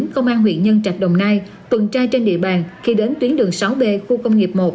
công an huyện nhân trạch đồng nai tuần tra trên địa bàn khi đến tuyến đường sáu b khu công nghiệp một